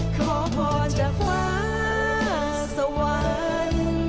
ขอพรจากฟ้าสวรรค์